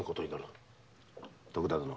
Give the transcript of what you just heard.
徳田殿。